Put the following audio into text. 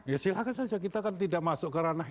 ya silahkan saja kita kan tidak masuk ke ranah